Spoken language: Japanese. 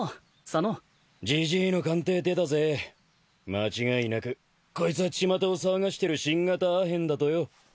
間違いなくこいつはちまたを騒がしてる新型アヘンだとよ。